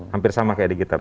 hampir sama kayak di gitar